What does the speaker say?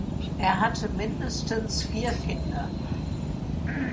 Er hatte mindestens vier Kinder.